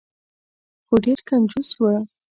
خو ډیر کنجوس و.